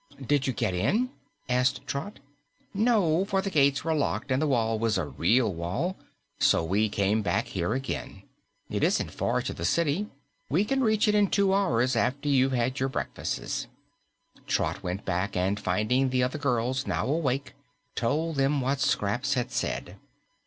"Did you get in?" asked Trot. "No, for the gates were locked and the wall was a real wall. So we came back here again. It isn't far to the city. We can reach it in two hours after you've had your breakfasts." Trot went back, and finding the other girls now awake, told them what Scraps had said.